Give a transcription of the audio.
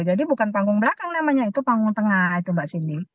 jadi bukan panggung belakang namanya itu panggung tengah itu mbak cindy